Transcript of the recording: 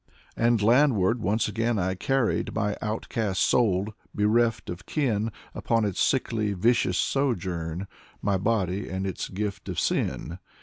And landward once again I carried My outcast soul, bereft of kin, Upon its sickly vicious sojourn My body and its gift of sin.